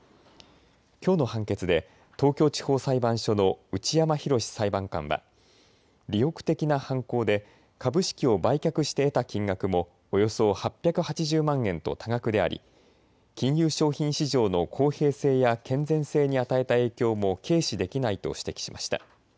きょうの判決で東京地方裁判所の内山裕史裁判官は利欲的な犯行で株式を売却して得た金額もおよそ８８０万円と多額であり金融商品市場の公平性や健全性に与えた影響も軽視できないと指摘しました。